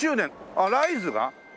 ああライズが？